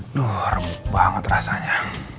aduh remuk banget rasanya